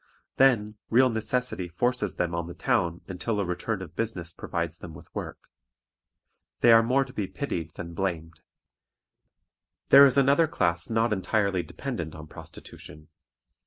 Then real necessity forces them on the town until a return of business provides them with work. They are more to be pitied than blamed. There is another class not entirely dependent on prostitution.